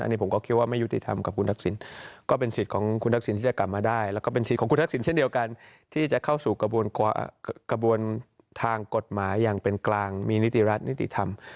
อันนี้ผมก็คิดว่าไม่ยุติธรรมกับคุณทักษิณก็เป็นสิทธิ์ของคุณทักษิณที่จะกลับมาได้แล้วก็เป็นสิทธิ์ของคุณทักษิณเช่นเดียวกันที่จะเข้าสู่กระบวนทางกฎหมายอย่างเป็นกลางมีนิติรัฐนิติธรรม